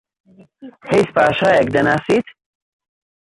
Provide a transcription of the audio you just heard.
هیچ پاشایەک دەناسیت؟